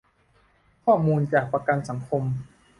ข้อมูลจากประกันสังคม